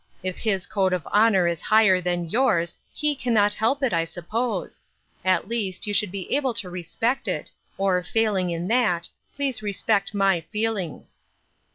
If his code of honor is higher than yours, he can not help it, I suppose. At least, you should be able to respect it; or, failing in that, please respect my feelings."